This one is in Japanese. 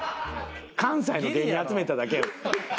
関西の芸人集めただけやろ。